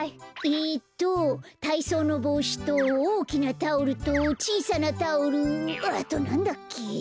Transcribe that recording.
えっとたいそうのぼうしとおおきなタオルとちいさなタオルあとなんだっけ？